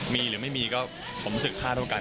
มีหรือไม่มีมีค่าเท่ากัน